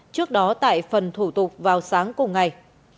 trước đó tại phần thủ tục vào sáng cùng ngày